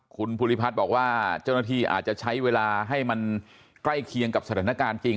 คุณภูริพัฒน์บอกว่าเจ้าหน้าที่อาจจะใช้เวลาให้มันใกล้เคียงกับสถานการณ์จริง